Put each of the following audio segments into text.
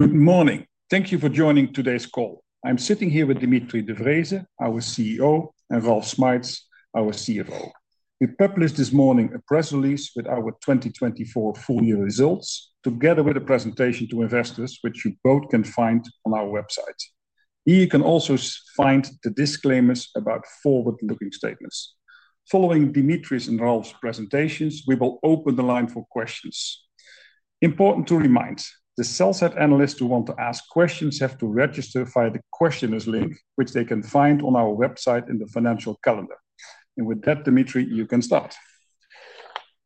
Good morning. Thank you for joining today's call. I'm sitting here with Dimitri de Vreeze, our CEO, and Ralf Schmeitz, our CFO. We published this morning a press release with our 2024 full-year results, together with a presentation to investors, which you both can find on our website. Here you can also find the disclaimers about forward-looking statements. Following Dimitri's and Ralf's presentations, we will open the line for questions. Important to remind: the sell-side analysts who want to ask questions have to register via the Q&A link, which they can find on our website in the financial calendar, and with that, Dimitri, you can start.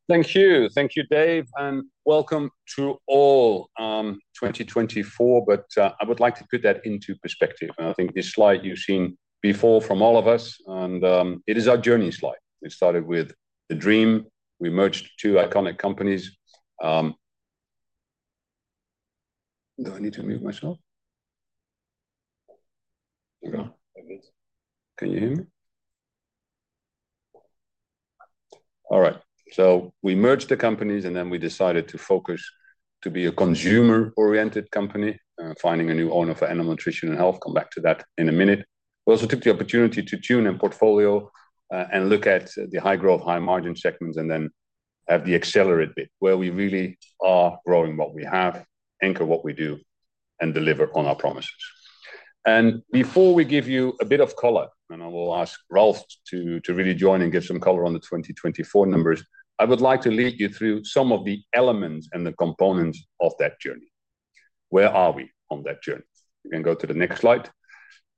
Thank you. Thank you, Dave, and welcome to all 2024. But I would like to put that into perspective. I think this slide you've seen before from all of us, and it is our journey slide. It started with the dream. We merged two iconic companies. Do I need to mute myself? Can you hear me? All right. So we merged the companies, and then we decided to focus to be a consumer-oriented company, finding a new owner for Animal Nutrition and Health. Come back to that in a minute. We also took the opportunity to tune and portfolio and look at the high-growth, high-margin segments, and then have the accelerate bit, where we really are growing what we have, anchor what we do, and deliver on our promises. Before we give you a bit of color, and I will ask Ralf to really join and give some color on the 2024 numbers, I would like to lead you through some of the elements and the components of that journey. Where are we on that journey? You can go to the next slide.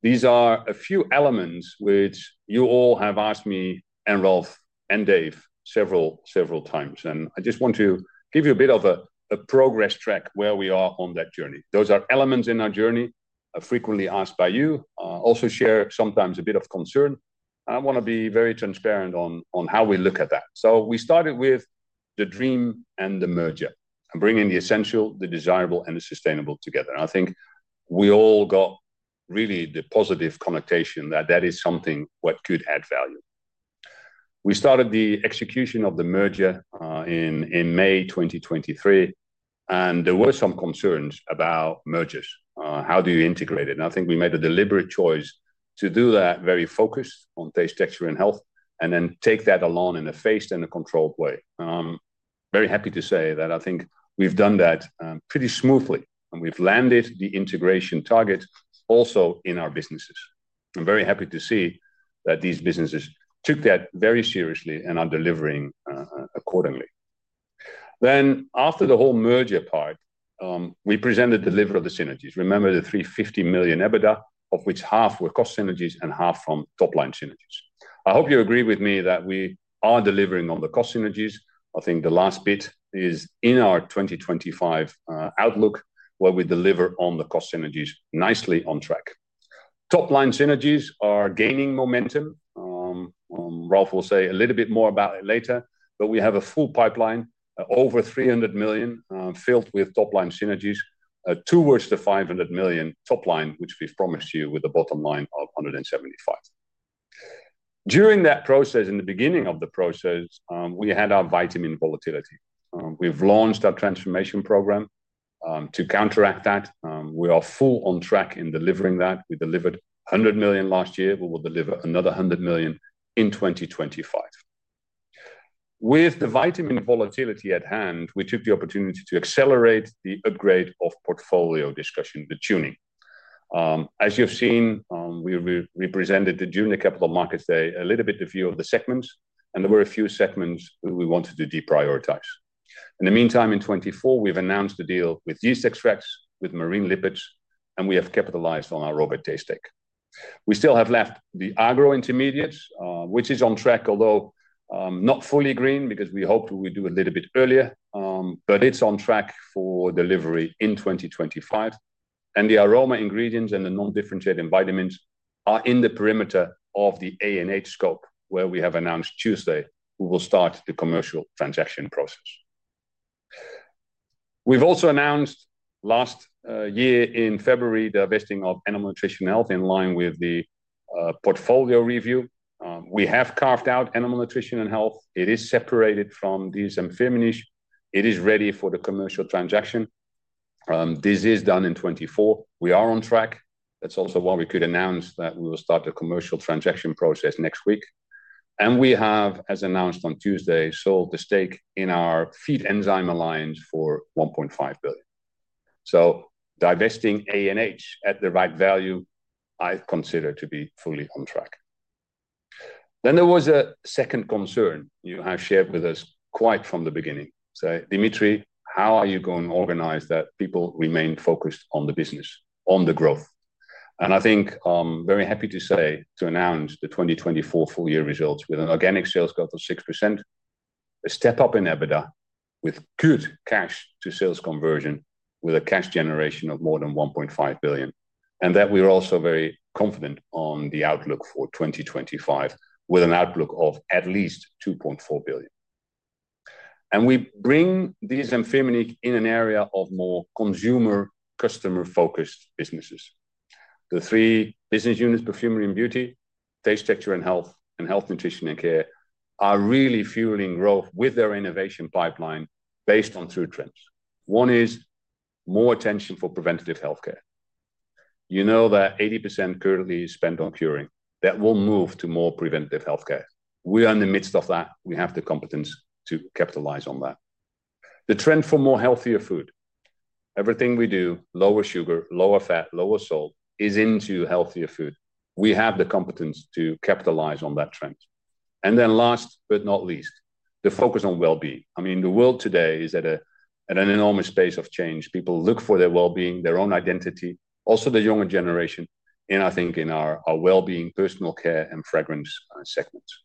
These are a few elements which you all have asked me and Ralf and Dave several, several times. I just want to give you a bit of a progress track where we are on that journey. Those are elements in our journey, frequently asked by you, also share sometimes a bit of concern. I want to be very transparent on how we look at that. We started with the dream and the merger and bringing the essential, the desirable, and the sustainable together. I think we all got really the positive connotation that that is something that could add value. We started the execution of the merger in May 2023, and there were some concerns about mergers. How do you integrate it? I think we made a deliberate choice to do that very focused on Taste, Texture and Health, and then take that along in a phased and a controlled way. I'm very happy to say that I think we've done that pretty smoothly, and we've landed the integration target also in our businesses. I'm very happy to see that these businesses took that very seriously and are delivering accordingly. Then, after the whole merger part, we presented the delivery of the synergies. Remember the 350 million EBITDA, of which half were cost synergies and half from top-line synergies. I hope you agree with me that we are delivering on the cost synergies. I think the last bit is in our 2025 outlook, where we deliver on the cost synergies nicely on track. Top-line synergies are gaining momentum. Ralf will say a little bit more about it later, but we have a full pipeline, over 300 million, filled with top-line synergies, towards the 500 million top-line, which we've promised you with a bottom line of 175 million. During that process, in the beginning of the process, we had our vitamin volatility. We've launched our Vitamin Transformation Program to counteract that. We are fully on track in delivering that. We delivered 100 million last year. We will deliver another 100 million in 2025. With the vitamin volatility at hand, we took the opportunity to accelerate the upgrade of portfolio discussion, the tuning. As you've seen, we presented at the June Capital Markets Day a little bit the view of the segments, and there were a few segments we wanted to deprioritize. In the meantime, in 2024, we've announced a deal with Yeast Extracts, with Marine Lipids, and we have capitalized on our Robertet stake. We still have left the agro intermediates, which is on track, although not fully green because we hoped we would do a little bit earlier, but it's on track for delivery in 2025. The aroma ingredients and the non-differentiated vitamins are in the perimeter of the A&H scope, where we have announced Tuesday we will start the commercial transaction process. We've also announced last year in February the divesting of Animal Nutrition and Health in line with the portfolio review. We have carved out Animal Nutrition and Health. It is separated from DSM-Firmenich. It is ready for the commercial transaction. This is done in 2024. We are on track. That's also why we could announce that we will start the commercial transaction process next week. And we have, as announced on Tuesday, sold the stake in our feed enzyme alliance for 1.5 billion. So divesting A&H at the right value, I consider to be fully on track. Then there was a second concern you have shared with us quite from the beginning. So, Dimitri, how are you going to organize that people remain focused on the business, on the growth? I think I'm very happy to say to announce the 2024 full-year results with an organic sales growth of 6%, a step up in EBITDA with good cash-to-sales conversion, with a cash generation of more than 1.5 billion, and that we are also very confident on the outlook for 2025 with an outlook of at least 2.4 billion. We bring DSM-Firmenich in an area of more consumer-customer-focused businesses. The three business units, Perfumery and Beauty, Taste, Texture and Health, and Health Nutrition and Care, are really fueling growth with their innovation pipeline based on three trends. One is more attention for preventative healthcare. You know that 80% currently is spent on curing. That will move to more preventative healthcare. We are in the midst of that. We have the competence to capitalize on that. The trend for more healthier food, everything we do, lower sugar, lower fat, lower salt, is into healthier food. We have the competence to capitalize on that trend, and then last but not least, the focus on well-being. I mean, the world today is at an enormous pace of change. People look for their well-being, their own identity, also the younger generation, and I think in our well-being, personal care, and fragrance segments.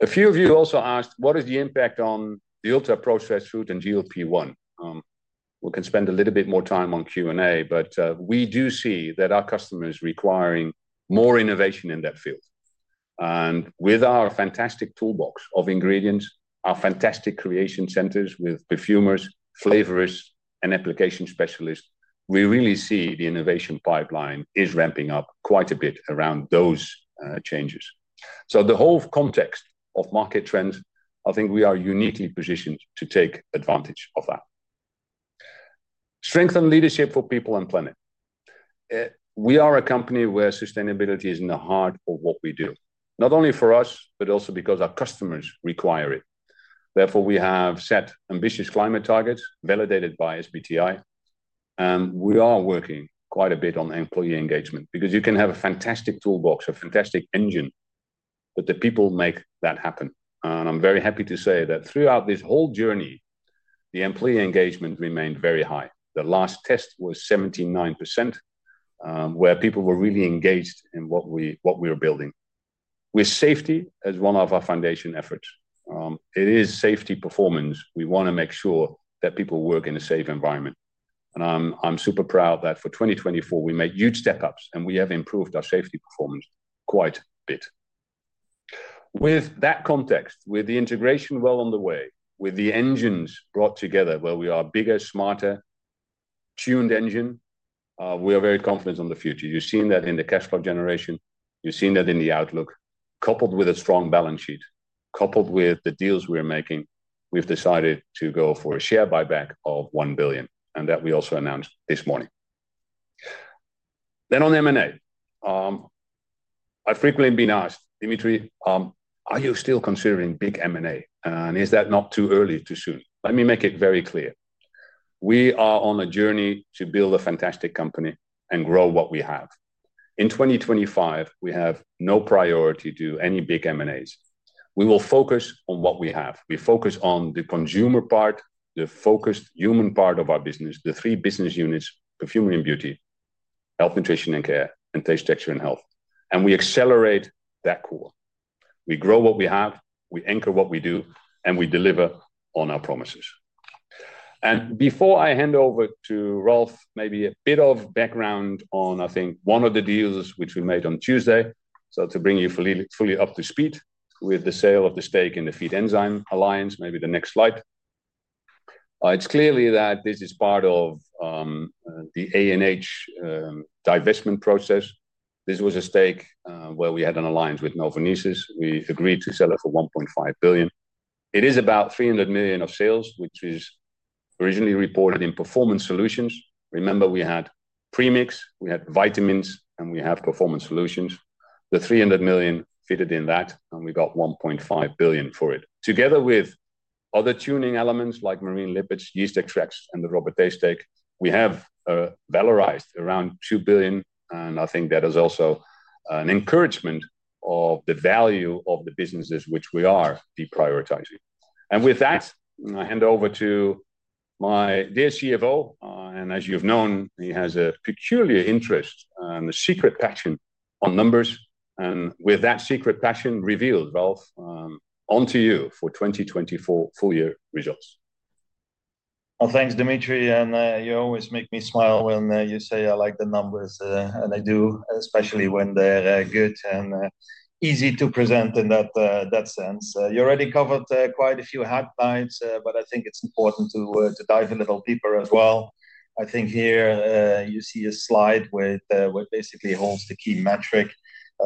A few of you also asked, what is the impact on the ultra-processed food and GLP-1? We can spend a little bit more time on Q&A, but we do see that our customers are requiring more innovation in that field, and with our fantastic toolbox of ingredients, our fantastic creation centers with perfumers, flavorists, and application specialists, we really see the innovation pipeline is ramping up quite a bit around those changes. So the whole context of market trends, I think we are uniquely positioned to take advantage of that. Strengthen leadership for people and planet. We are a company where sustainability is in the heart of what we do, not only for us, but also because our customers require it. Therefore, we have set ambitious climate targets validated by SBTi, and we are working quite a bit on employee engagement because you can have a fantastic toolbox, a fantastic engine, but the people make that happen. And I'm very happy to say that throughout this whole journey, the employee engagement remained very high. The last test was 79%, where people were really engaged in what we were building. With safety as one of our foundation efforts, it is safety performance. We want to make sure that people work in a safe environment. I'm super proud that for 2024, we made huge step-ups, and we have improved our safety performance quite a bit. With that context, with the integration well on the way, with the engines brought together, where we are a bigger, smarter, tuned engine, we are very confident on the future. You've seen that in the cash flow generation. You've seen that in the outlook, coupled with a strong balance sheet, coupled with the deals we're making. We've decided to go for a share buyback of 1 billion, and that we also announced this morning. On M&A, I've frequently been asked, Dimitri, are you still considering big M&A? Is that not too early, too soon? Let me make it very clear. We are on a journey to build a fantastic company and grow what we have. In 2025, we have no priority to do any big M&As. We will focus on what we have. We focus on the consumer part, the focused human part of our business, the three business units, Perfumery and Beauty, Health Nutrition and Care, and Taste Texture and Health. We accelerate that core. We grow what we have. We anchor what we do, and we deliver on our promises. Before I hand over to Ralf, maybe a bit of background on, I think, one of the deals which we made on Tuesday. To bring you fully up to speed with the sale of the stake in the feed enzyme alliance, maybe the next slide. It's clear that this is part of the A&H divestment process. This was a stake where we had an alliance with Novonesis. We agreed to sell it for 1.5 billion. It is about 300 million of sales, which is originally reported in Performance Solutions. Remember, we had premix, we had vitamins, and we have Performance Solutions. The 300 million fit in that, and we got 1.5 billion for it. Together with other tuning elements like marine lipids, yeast extracts, and the Robertet stake, we have valorized around 2 billion. I think that is also an encouragement of the value of the businesses which we are deprioritizing. With that, I hand over to my dear CFO. As you've known, he has a peculiar interest and a secret passion on numbers. With that secret passion revealed, Ralf, over to you for 2024 full-year results. Thanks, Dimitri. And you always make me smile when you say, "I like the numbers," and I do, especially when they're good and easy to present in that sense. You already covered quite a few highlights, but I think it's important to dive a little deeper as well. I think here you see a slide with what basically holds the key metric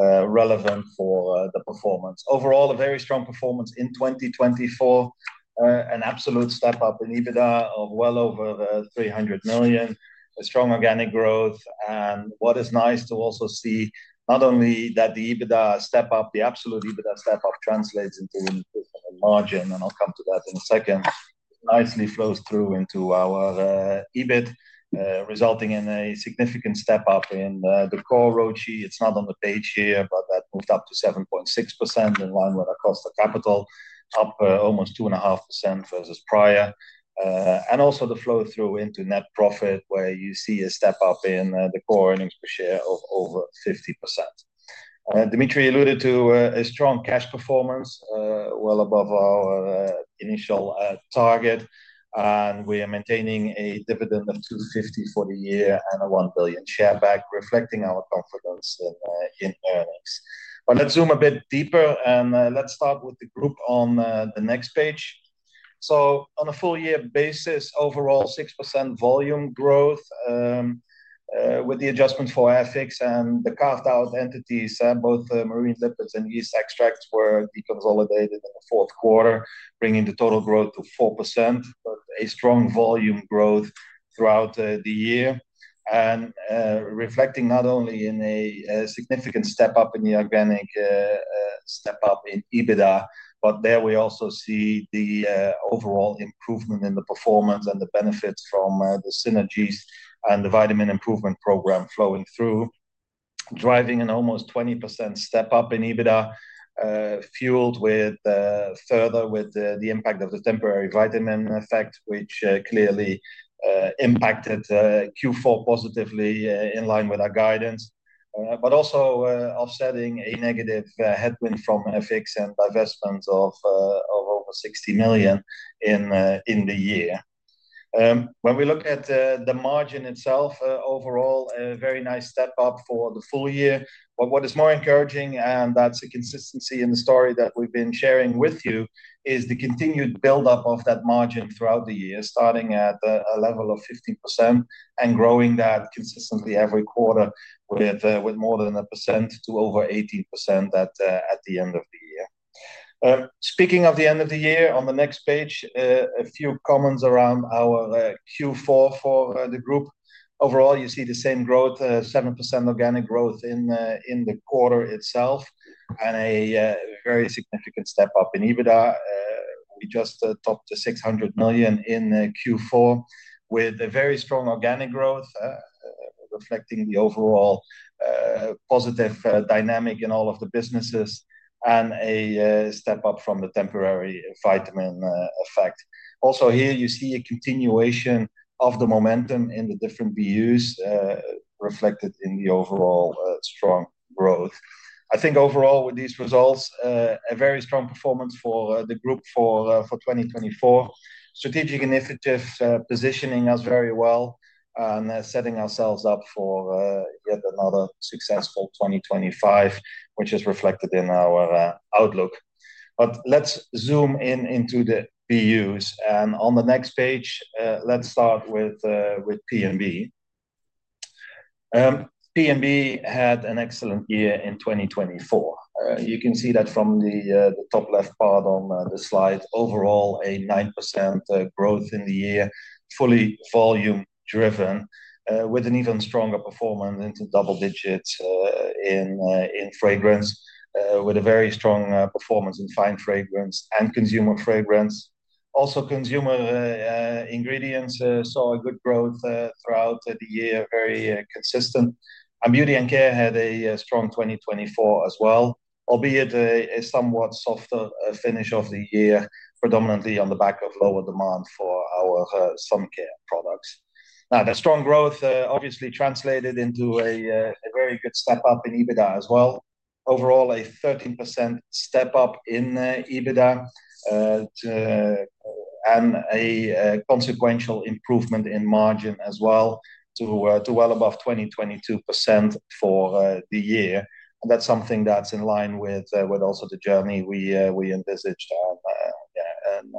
relevant for the performance. Overall, a very strong performance in 2024, an absolute step-up in EBITDA of well over 300 million, a strong organic growth. And what is nice to also see, not only that the EBITDA step-up, the absolute EBITDA step-up translates into a margin, and I'll come to that in a second, nicely flows through into our EBIT, resulting in a significant step-up in the core ROCE. It's not on the page here, but that moved up to 7.6% in line with our cost of capital, up almost 2.5% versus prior, and also the flow through into net profit, where you see a step-up in the core earnings per share of over 50%. Dimitri alluded to a strong cash performance, well above our initial target, and we are maintaining a dividend of 250 for the year and a 1 billion share buyback, reflecting our confidence in earnings. But let's zoom a bit deeper, and let's start with the group on the next page, so on a full-year basis, overall 6% volume growth with the adjustment for FX and the carved-out entities, both marine lipids and yeast extracts were deconsolidated in the fourth quarter, bringing the total growth to 4%, but a strong volume growth throughout the year. Reflecting not only in a significant step-up in the organic step-up in EBITDA, but there we also see the overall improvement in the performance and the benefits from the synergies and the Vitamin Transformation Program flowing through, driving an almost 20% step-up in EBITDA, fueled further with the impact of the temporary vitamin effect, which clearly impacted Q4 positively in line with our guidance, but also offsetting a negative headwind from FX and divestment of over 60 million in the year. When we look at the margin itself, overall, a very nice step-up for the full year. But what is more encouraging, and that's a consistency in the story that we've been sharing with you, is the continued build-up of that margin throughout the year, starting at a level of 15% and growing that consistently every quarter with more than 1% to over 18% at the end of the year. Speaking of the end of the year, on the next page, a few comments around our Q4 for the group. Overall, you see the same growth, 7% organic growth in the quarter itself, and a very significant step-up in EBITDA. We just topped the 600 million in Q4 with a very strong organic growth, reflecting the overall positive dynamic in all of the businesses and a step-up from the temporary vitamin effect. Also here, you see a continuation of the momentum in the different views reflected in the overall strong growth. I think overall, with these results, a very strong performance for the group for 2024. Strategic initiatives positioning us very well and setting ourselves up for yet another successful 2025, which is reflected in our outlook. But let's zoom in into the views. And on the next page, let's start with P&B. P&B had an excellent year in 2024. You can see that from the top left part on the slide. Overall, a 9% growth in the year, fully volume-driven, with an even stronger performance into double digits in fragrance, with a very strong performance in fine fragrance and consumer fragrance. Also, consumer ingredients saw a good growth throughout the year, very consistent. And Beauty and Care had a strong 2024 as well, albeit a somewhat softer finish of the year, predominantly on the back of lower demand for our sun care products. Now, the strong growth obviously translated into a very good step-up in EBITDA as well. Overall, a 13% step-up in EBITDA and a consequential improvement in margin as well to well above 20.2% for the year, and that's something that's in line with also the journey we envisaged, and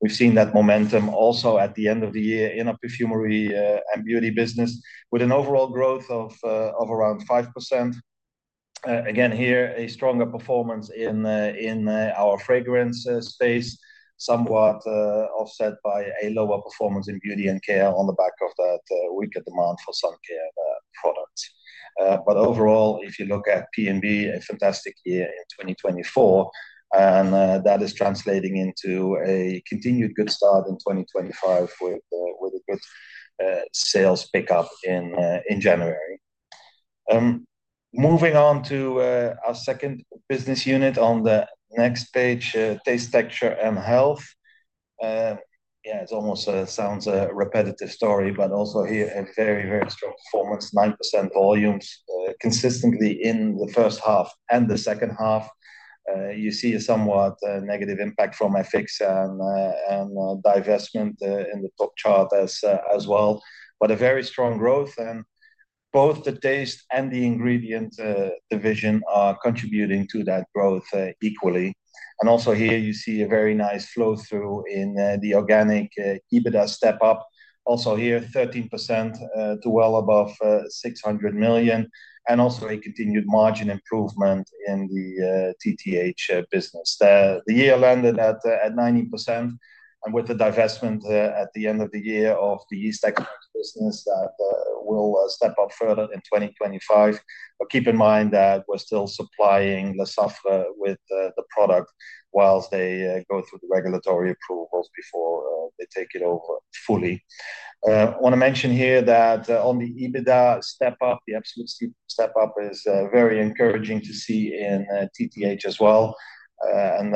we've seen that momentum also at the end of the year in our perfumery and beauty business, with an overall growth of around 5%. Again, here, a stronger performance in our fragrance space, somewhat offset by a lower performance in Beauty and Care on the back of that weaker demand for sun care products, but overall, if you look at P&B, a fantastic year in 2024, and that is translating into a continued good start in 2025 with a good sales pickup in January. Moving on to our second business unit on the next page, Taste, Texture & Health. Yeah, it almost sounds a repetitive story, but also here, a very, very strong performance, 9% volumes consistently in the first half and the second half. You see a somewhat negative impact from FX and divestment in the top chart as well. But a very strong growth, and both the taste and the ingredient division are contributing to that growth equally. And also here, you see a very nice flow through in the organic EBITDA step-up. Also here, 13% to well above 600 million, and also a continued margin improvement in the TTH business. The year landed at 90%, and with the divestment at the end of the year of the yeast extracts business that will step up further in 2025. But keep in mind that we're still supplying Lesaffre with the product while they go through the regulatory approvals before they take it over fully. I want to mention here that on the EBITDA step-up, the absolute step-up is very encouraging to see in TTH as well, and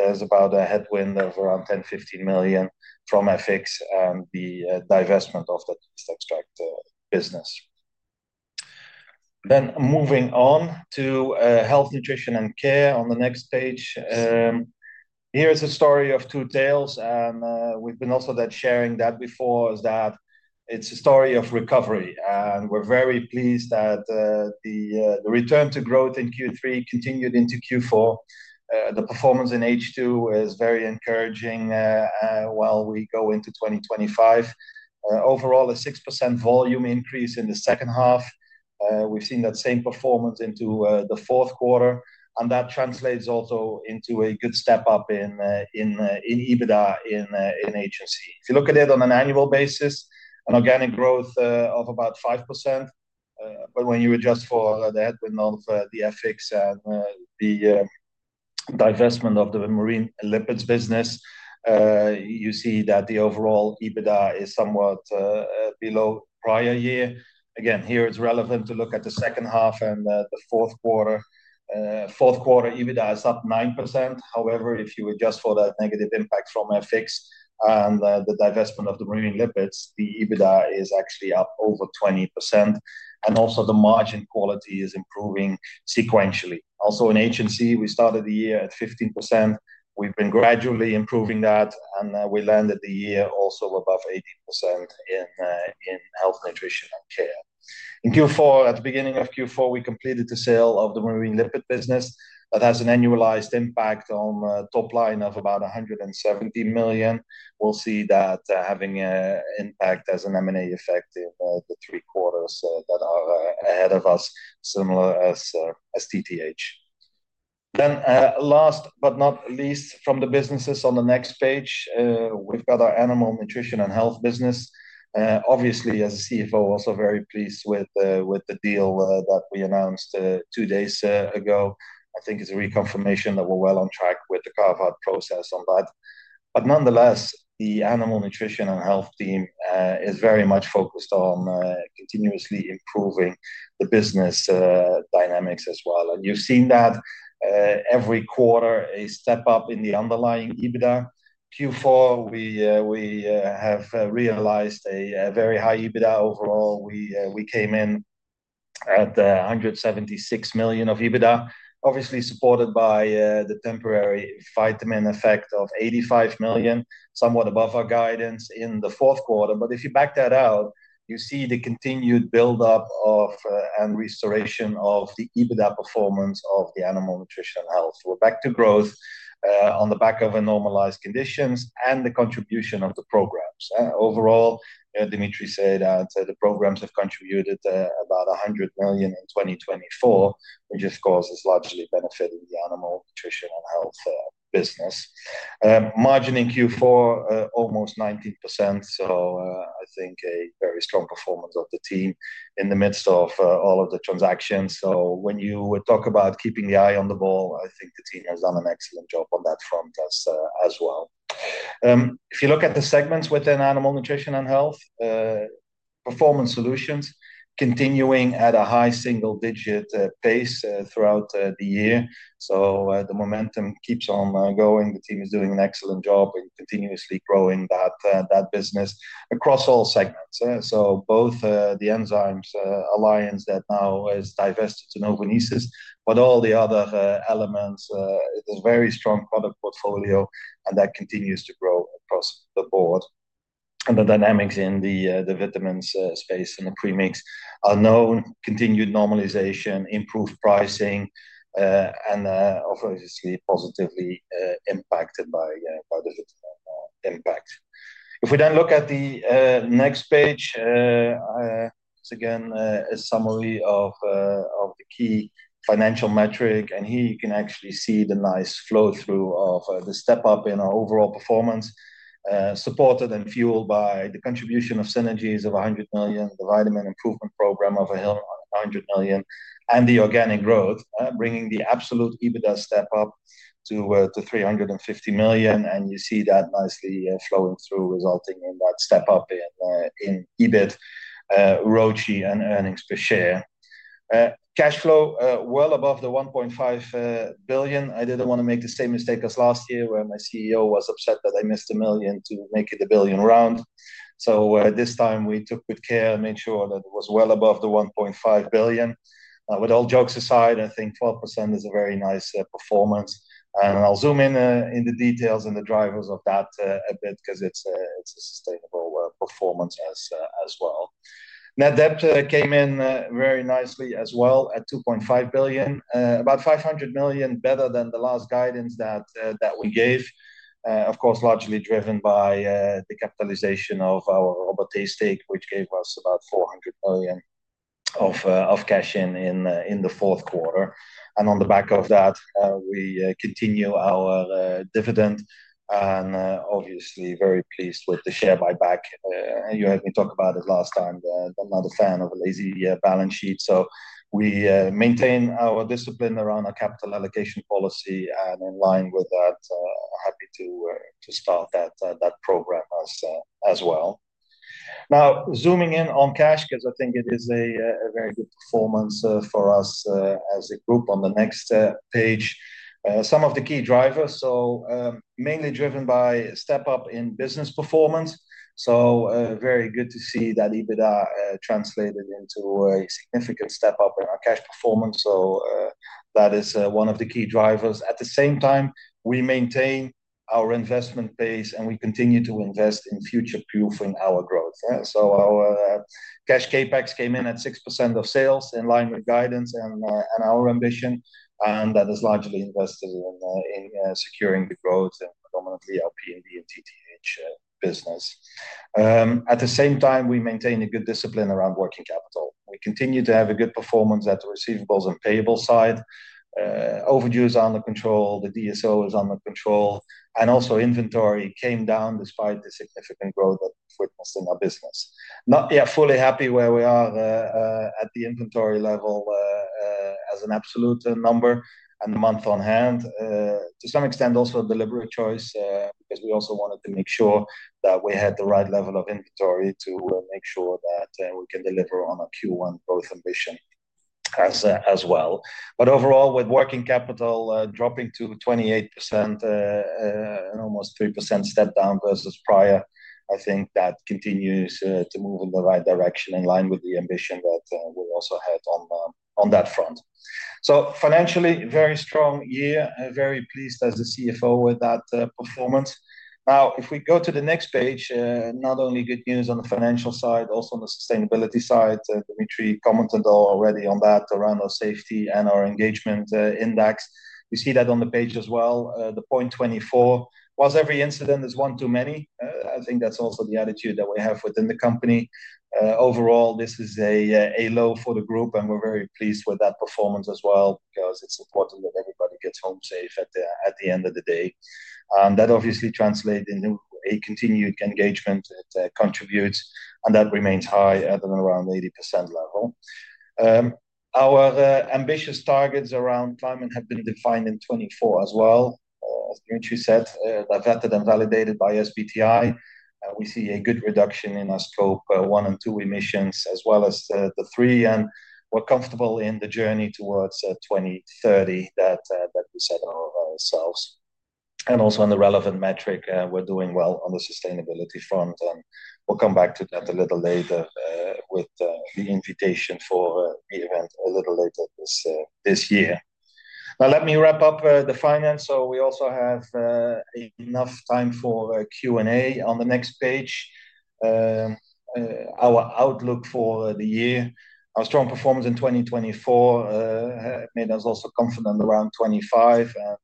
there's about a headwind of around 10-15 million from FX and the divestment of the yeast extract business. Then moving on to Health, Nutrition and Care on the next page. Here is a story of two tales, and we've been also sharing that before, is that it's a story of recovery, and we're very pleased that the return to growth in Q3 continued into Q4. The performance in H2 is very encouraging while we go into 2025. Overall, a 6% volume increase in the second half. We've seen that same performance into the fourth quarter, and that translates also into a good step-up in EBITDA in H and C. If you look at it on an annual basis, an organic growth of about 5%. But when you adjust for the headwind of the FX and the divestment of the Marine Lipids business, you see that the overall EBITDA is somewhat below prior year. Again, here it's relevant to look at the second half and the fourth quarter. Fourth quarter EBITDA is up 9%. However, if you adjust for that negative impact from FX and the divestment of the Marine Lipids, the EBITDA is actually up over 20%, and also the margin quality is improving sequentially. Also in HNC, we started the year at 15%. We've been gradually improving that, and we landed the year also above 80% in Health, Nutrition & Care. In Q4, at the beginning of Q4, we completed the sale of the Marine Lipids business. That has an annualized impact on top line of about 170 million. We'll see that having an impact as an M&A effect in the three quarters that are ahead of us, similar as TTH. Then last but not least, from the businesses on the next page, we've got our animal nutrition and health business. Obviously, as a CFO, also very pleased with the deal that we announced two days ago. I think it's a reconfirmation that we're well on track with the carve-out process on that. But nonetheless, the animal nutrition and health team is very much focused on continuously improving the business dynamics as well. And you've seen that every quarter, a step-up in the underlying EBITDA. Q4, we have realized a very high EBITDA overall. We came in at 176 million of EBITDA, obviously supported by the temporary vitamin effect of 85 million, somewhat above our guidance in the fourth quarter. But if you back that out, you see the continued build-up and restoration of the EBITDA performance of the animal nutrition and health. We're back to growth on the back of normalized conditions and the contribution of the programs. Overall, Dimitri said that the programs have contributed about 100 million in 2024, which of course is largely benefiting the animal nutrition and health business. Margin in Q4, almost 19%. So I think a very strong performance of the team in the midst of all of the transactions. So when you talk about keeping the eye on the ball, I think the team has done an excellent job on that front as well. If you look at the segments within animal nutrition and health, performance solutions continuing at a high single-digit pace throughout the year. So the momentum keeps on going. The team is doing an excellent job in continuously growing that business across all segments, so both the Enzymes Alliance that now is divested to Novonesis, but all the other elements, it is a very strong product portfolio, and that continues to grow across the board, and the dynamics in the vitamins space and the premix are known, continued normalization, improved pricing, and obviously positively impacted by the Vitamin Transformation. If we then look at the next page, it's again a summary of the key financial metric, and here you can actually see the nice flow through of the step-up in our overall performance, supported and fueled by the contribution of synergies of 100 million, the Vitamin Transformation Program of 100 million, and the organic growth, bringing the absolute EBITDA step-up to 350 million. You see that nicely flowing through, resulting in that step-up in EBIT, ROCE, and earnings per share. Cash flow well above the 1.5 billion. I didn't want to make the same mistake as last year when my CEO was upset that I missed a million to make it a billion round. This time we took good care and made sure that it was well above the 1.5 billion. With all jokes aside, I think 12% is a very nice performance. I'll zoom in on the details and the drivers of that a bit because it's a sustainable performance as well. Net debt came in very nicely as well at 2.5 billion, about 500 million better than the last guidance that we gave. Of course, largely driven by the capitalization of our Robertet stake, which gave us about 400 million of cash in the fourth quarter. And on the back of that, we continue our dividend and, obviously, very pleased with the share buyback. You heard me talk about it last time. I'm not a fan of lazy balance sheet. So we maintain our discipline around our capital allocation policy and in line with that, happy to start that program as well. Now, zooming in on cash because I think it is a very good performance for us as a group on the next page. Some of the key drivers, so mainly driven by step-up in business performance. So very good to see that EBITDA translated into a significant step-up in our cash performance. So that is one of the key drivers. At the same time, we maintain our investment base and we continue to invest in future proofing our growth. Our cash CapEx came in at 6% of sales in line with guidance and our ambition. That is largely invested in securing the growth and predominantly our P&B and TTH business. At the same time, we maintain a good discipline around working capital. We continue to have a good performance at the receivables and payables side. Overdue is under control. The DSO is under control. Also inventory came down despite the significant growth that we've witnessed in our business. Not yet fully happy where we are at the inventory level as an absolute number and month on hand. To some extent, also a deliberate choice because we also wanted to make sure that we had the right level of inventory to make sure that we can deliver on our Q1 growth ambition as well. But overall, with working capital dropping to 28% and almost 3% step-down versus prior, I think that continues to move in the right direction in line with the ambition that we also had on that front. So financially, very strong year. Very pleased as a CFO with that performance. Now, if we go to the next page, not only good news on the financial side, also on the sustainability side, Dimitri commented already on that around our safety and our engagement index. You see that on the page as well. The 0.24, while every incident is one too many, I think that's also the attitude that we have within the company. Overall, this is a low for the group, and we're very pleased with that performance as well because it's important that everybody gets home safe at the end of the day. That obviously translates into a continued engagement that contributes, and that remains high at around 80% level. Our ambitious targets around climate have been defined in 2024 as well. As Dimitri said, that's vetted and validated by SBTi. We see a good reduction in our Scope 1 and 2 emissions as well as the 3. We're comfortable in the journey towards 2030 that we set ourselves. Also on the relevant metric, we're doing well on the sustainability front. We'll come back to that a little later with the invitation for the event a little later this year. Now, let me wrap up the finance. We also have enough time for Q&A on the next page. Our outlook for the year, our strong performance in 2024 made us also confident around 2025, and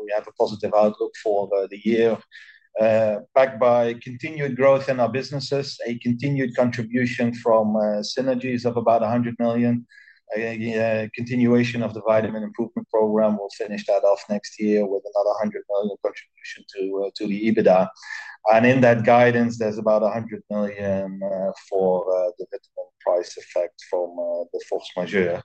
we have a positive outlook for the year. Backed by continued growth in our businesses, a continued contribution from Synergies of about 100 million, a continuation of the vitamin improvement program. We'll finish that off next year with another 100 million contribution to the EBITDA. And in that guidance, there's about 100 million for the price effect from the Force Majeure.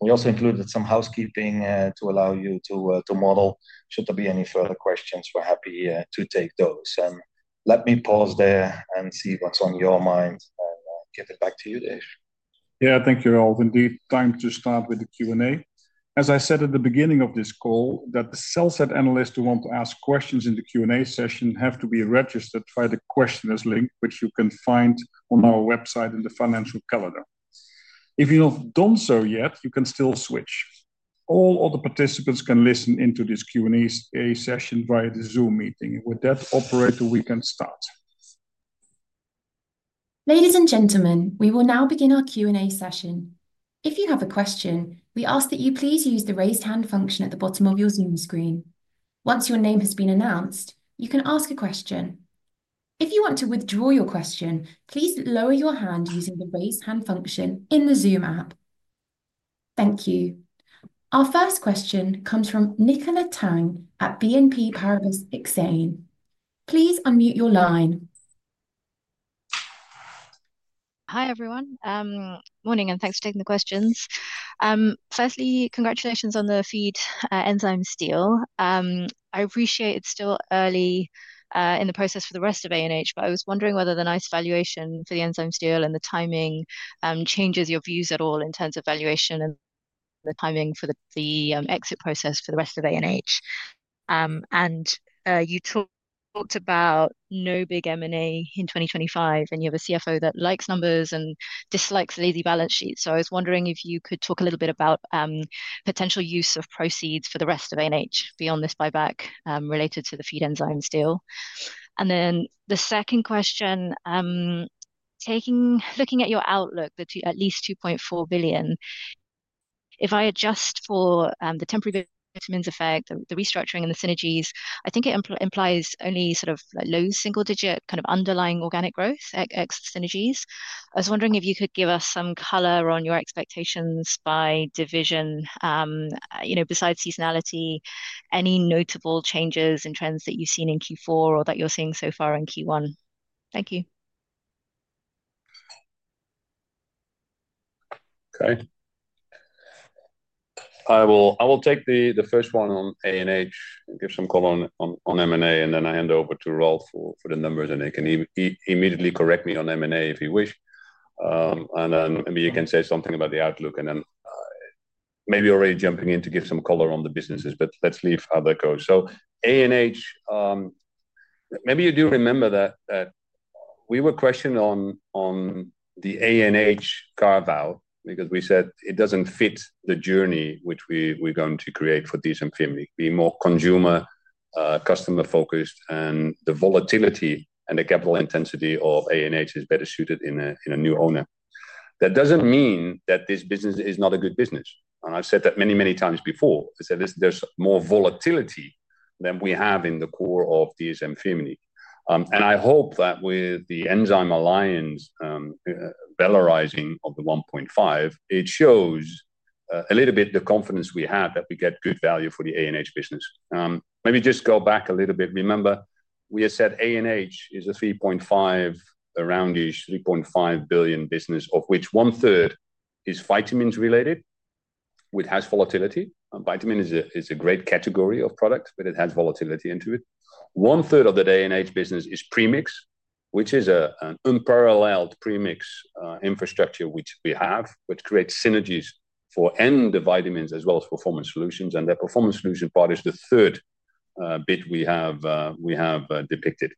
We also included some housekeeping to allow you to model. Should there be any further questions, we're happy to take those. And let me pause there and see what's on your mind and give it back to you, Dave. Yeah, thank you all. Indeed, time to start with the Q&A. As I said at the beginning of this call, the analysts who want to ask questions in the Q&A session have to be registered via the questioners link, which you can find on our website in the financial calendar. If you have done so yet, you can still switch. All other participants can listen into this Q&A session via the Zoom meeting. With that operator, we can start. Ladies and gentlemen, we will now begin our Q&A session. If you have a question, we ask that you please use the raised hand function at the bottom of your Zoom screen. Once your name has been announced, you can ask a question. If you want to withdraw your question, please lower your hand using the raised hand function in the Zoom app. Thank you. Our first question comes from Nicola Tang at BNP Paribas Exane. Please unmute your line. Hi everyone. Morning and thanks for taking the questions. Firstly, congratulations on the feed enzyme deal. I appreciate it's still early in the process for the rest of ANH, but I was wondering whether the Novonesis evaluation for the enzyme sale and the timing changes your views at all in terms of valuation and the timing for the exit process for the rest of ANH, and you talked about no big M&A in 2025, and you have a CFO that likes numbers and dislikes lazy balance sheets, so I was wondering if you could talk a little bit about potential use of proceeds for the rest of ANH beyond this buyback related to the feed enzyme sale. And then the second question, looking at your outlook, at least 2.4 billion, if I adjust for the temporary vitamins effect, the restructuring and the synergies, I think it implies only sort of low single-digit kind of underlying organic growth ex synergies. I was wondering if you could give us some color on your expectations by division, besides seasonality, any notable changes and trends that you've seen in Q4 or that you're seeing so far in Q1. Thank you. Okay. I will take the first one on ANH and give some color on M&A, and then I hand over to Ralf for the numbers, and he can immediately correct me on M&A if he wish. And then maybe you can say something about the outlook, and then maybe already jumping in to give some color on the businesses, but let's leave other go. So ANH, maybe you do remember that we were questioned on the ANH carve-out because we said it doesn't fit the journey which we're going to create for DSM-Firmenich. Be more consumer, customer-focused, and the volatility and the capital intensity of ANH is better suited in a new owner. That doesn't mean that this business is not a good business. I've said that many, many times before. I said there's more volatility than we have in the core of DSM-Firmenich. I hope that with the enzyme alliance valuing of the 1.5 billion, it shows a little bit the confidence we have that we get good value for the ANH business. Maybe just go back a little bit. Remember, we have said ANH is a 3.5 billion, around 3.5 billion business, of which one-third is vitamins related, which has volatility. Vitamin is a great category of product, but it has volatility into it. One-third of the ANH business is premix, which is an unparalleled premix infrastructure which we have, which creates synergies for our vitamins as well as performance solutions. That performance solution part is the third bit we have depicted.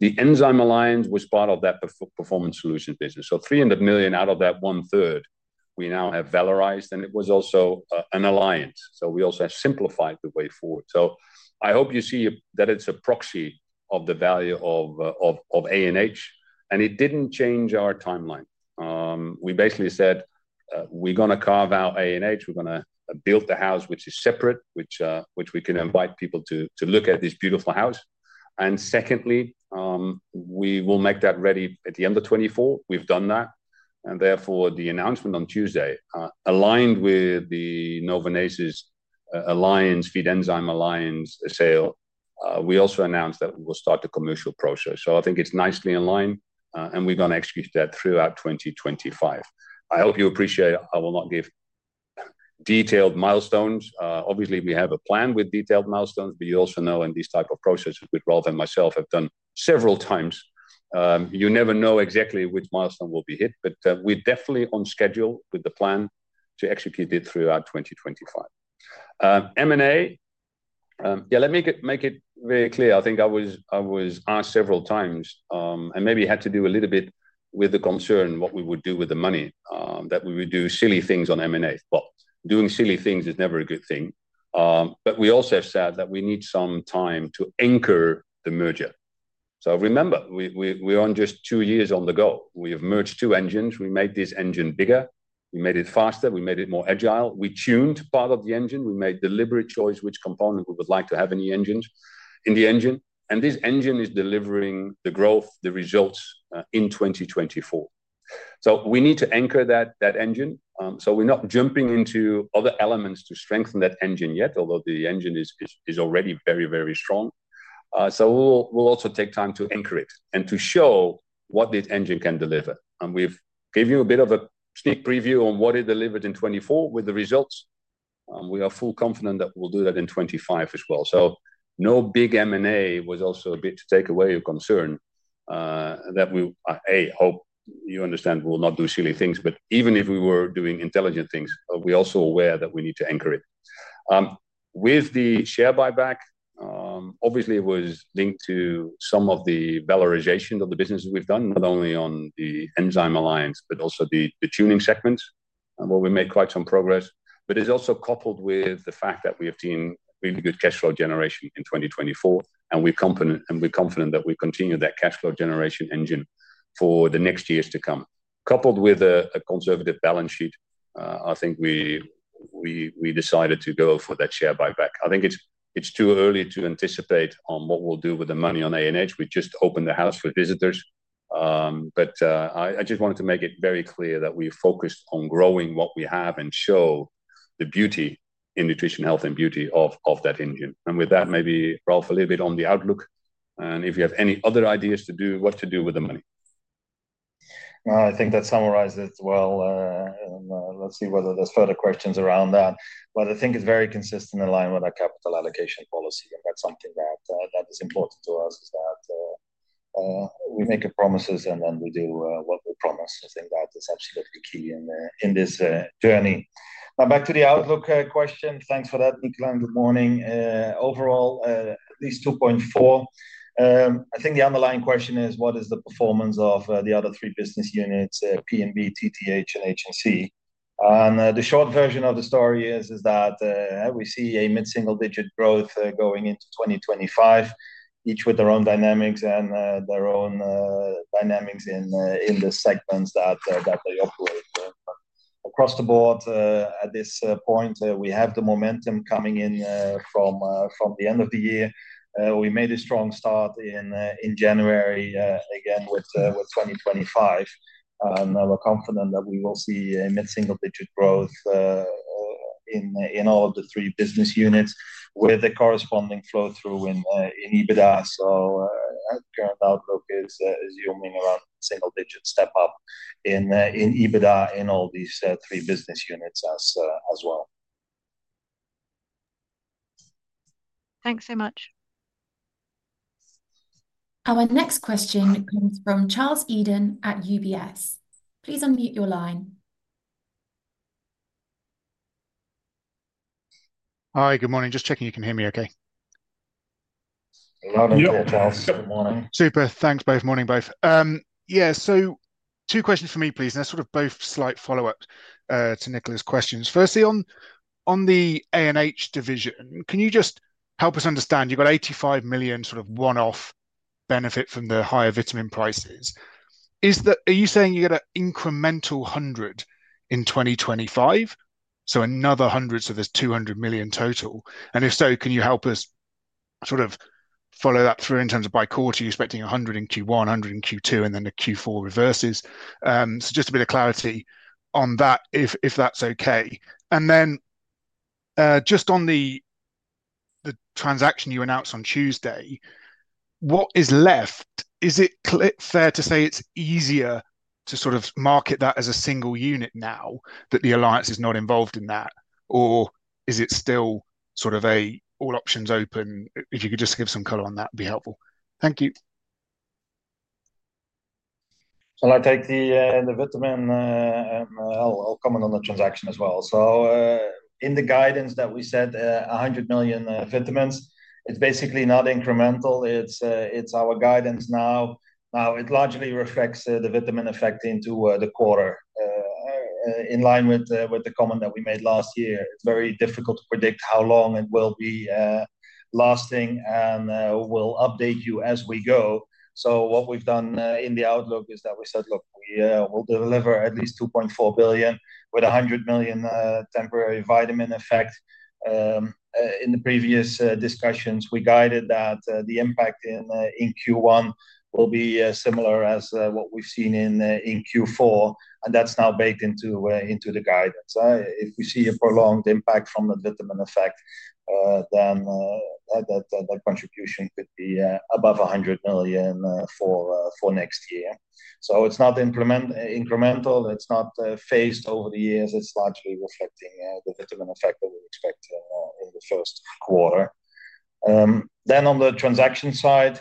The enzyme alliance was part of that performance solution business. 300 million out of that one-third, we now have valorized, and it was also an alliance. We also have simplified the way forward. I hope you see that it's a proxy of the value of ANH, and it didn't change our timeline. We basically said we're going to carve out ANH. We're going to build the house, which is separate, which we can invite people to look at this beautiful house. Secondly, we will make that ready at the end of 2024. We've done that. And therefore, the announcement on Tuesday aligned with the Novonesis Alliance, Feed Enzyme Alliance sale. We also announced that we will start the commercial process. So I think it's nicely in line, and we're going to execute that throughout 2025. I hope you appreciate I will not give detailed milestones. Obviously, we have a plan with detailed milestones, but you also know in these types of processes with Ralf and myself have done several times. You never know exactly which milestone will be hit, but we're definitely on schedule with the plan to execute it throughout 2025. M&A, yeah, let me make it very clear. I think I was asked several times, and maybe had to do a little bit with the concern what we would do with the money, that we would do silly things on M&A. Well, doing silly things is never a good thing. But we also have said that we need some time to anchor the merger. So remember, we're on just two years on the go. We have merged two engines. We made this engine bigger. We made it faster. We made it more agile. We tuned part of the engine. We made deliberate choice which component we would like to have in the engine. And this engine is delivering the growth, the results in 2024. So we need to anchor that engine. So we're not jumping into other elements to strengthen that engine yet, although the engine is already very, very strong. So we'll also take time to anchor it and to show what this engine can deliver. And we've given you a bit of a sneak preview on what it delivered in 2024 with the results. We are fully confident that we'll do that in 2025 as well. No big M&A was also a bit to take away your concern that we, A, hope you understand we will not do silly things, but even if we were doing intelligent things, we're also aware that we need to anchor it. With the share buyback, obviously, it was linked to some of the valorization of the business we've done, not only on the enzyme alliance, but also the tuning segments. We made quite some progress, but it's also coupled with the fact that we have seen really good cash flow generation in 2024, and we're confident that we continue that cash flow generation engine for the next years to come. Coupled with a conservative balance sheet, I think we decided to go for that share buyback. I think it's too early to anticipate on what we'll do with the money on ANH. We just opened the house for visitors. But I just wanted to make it very clear that we focused on growing what we have and show the beauty in nutrition, health, and beauty of that engine. And with that, maybe Ralf, a little bit on the outlook, and if you have any other ideas to do, what to do with the money. I think that summarized it well. Let's see whether there's further questions around that. But I think it's very consistent in line with our capital allocation policy, and that's something that is important to us is that we make our promises and then we do what we promise. I think that is absolutely key in this journey. Now, back to the outlook question. Thanks for that, Nicola. Good morning. Overall, at least 2.4. I think the underlying question is, what is the performance of the other three business units, P&B, TTH, and HNC? The short version of the story is that we see a mid-single-digit growth going into 2025, each with their own dynamics and their own dynamics in the segments that they operate. Across the board, at this point, we have the momentum coming in from the end of the year. We made a strong start in January again with 2025, and we're confident that we will see a mid-single-digit growth in all of the three business units with the corresponding flow through in EBITDA. Current outlook is zooming around single-digit step-up in EBITDA in all these three business units as well. Thanks so much. Our next question comes from Charles Eden at UBS. Please unmute your line. Hi, good morning. Just checking you can hear me okay. Hello. Hello. Good morning. Super. Thanks, both. Morning, both. Yeah, so two questions for me, please. They're sort of both slight follow-ups to Nicola's questions. Firstly, on the ANH division, can you just help us understand? You've got 85 million sort of one-off benefit from the higher vitamin prices. Are you saying you get an incremental 100 in 2025? So another 100, so there's 200 million total. And if so, can you help us sort of follow that through in terms of by quarter, you're expecting a 100 in Q1, a 100 in Q2, and then the Q4 reverses? So just a bit of clarity on that, if that's okay. And then just on the transaction you announced on Tuesday, what is left? Is it fair to say it's easier to sort of market that as a single unit now that the alliance is not involved in that? Or is it still sort of all options open? If you could just give some color on that, it'd be helpful. Thank you. I'll take the vitamin and I'll comment on the transaction as well. So in the guidance that we said, 100 million vitamins, it's basically not incremental. It's our guidance now. Now, it largely reflects the vitamin effect into the quarter in line with the comment that we made last year. It's very difficult to predict how long it will be lasting, and we'll update you as we go. So what we've done in the outlook is that we said, "Look, we will deliver at least 2.4 billion with 100 million temporary vitamin effect." In the previous discussions, we guided that the impact in Q1 will be similar as what we've seen in Q4, and that's now baked into the guidance. If we see a prolonged impact from the vitamin effect, then that contribution could be above 100 million for next year. So it's not incremental. It's not phased over the years. It's largely reflecting the vitamin effect that we expect in the first quarter. Then on the transaction side,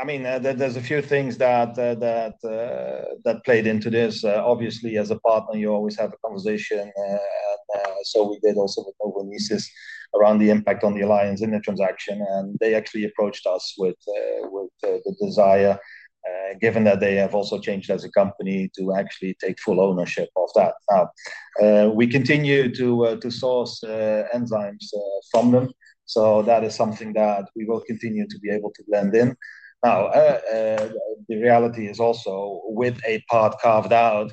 I mean, there's a few things that played into this. Obviously, as a partner, you always have a conversation. And so we did also with Novonesis around the impact on the alliance in the transaction, and they actually approached us with the desire, given that they have also changed as a company to actually take full ownership of that. Now, we continue to source enzymes from them. So that is something that we will continue to be able to blend in. Now, the reality is also with a part carved out,